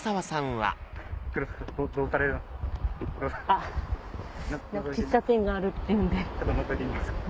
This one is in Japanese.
あっ何か喫茶店があるっていうんで。